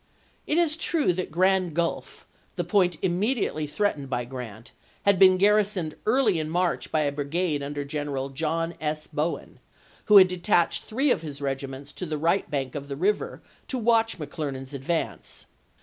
It is true that Grand Gulf, the point immediately threatened by Grant, had been garrisoned early in March by a brigade under General John S. Bowen, who had detached three of his regiments to the right bank of the river to watch McClernand's advance.